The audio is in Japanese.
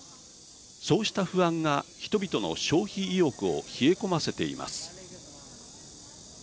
そうした不安が人々の消費意欲を冷え込ませています。